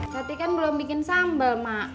tapi kan belum bikin sambal mak